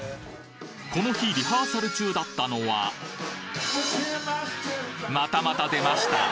この日リハーサル中だったのはまたまた出ました